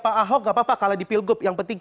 pak ahok gak apa apa kalau di pilgub yang penting